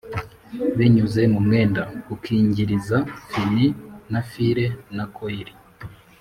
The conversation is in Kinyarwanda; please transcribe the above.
binyuze mu mwenda ukingiriza, fin na fire na coil